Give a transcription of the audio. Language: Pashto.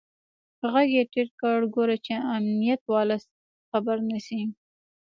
ږغ يې ټيټ کړ ګوره چې امنيت والا خبر نسي.